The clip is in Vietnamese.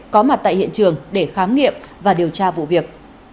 có mặt tại hiện trường để khám nghiệm và điều tra vụ việc